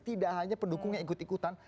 tidak hanya pendukungnya ikut ikutan